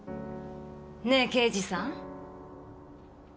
ねえ刑事さん。